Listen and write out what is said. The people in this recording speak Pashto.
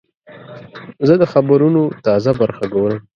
زه د خبرونو تازه برخه ګورم.